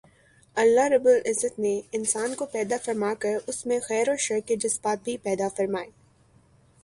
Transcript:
اللہ رب العزت نے انسان کو پیدا فرما کر اس میں خیر و شر کے جذبات بھی پیدا فرمائے